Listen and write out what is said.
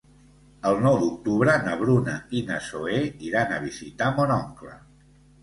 El nou d'octubre na Bruna i na Zoè iran a visitar mon oncle.